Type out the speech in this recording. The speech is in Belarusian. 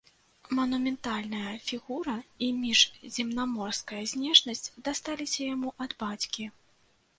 Манументальная фігура і міжземнаморская знешнасць дасталіся яму ад бацькі.